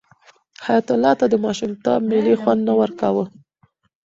حیات الله ته د ماشومتوب مېلې خوند نه ورکاوه.